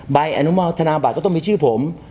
ใบอนุโมธนาบัตรก็ต้องมีชื่อผม